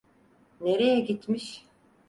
Nereye gitmiş?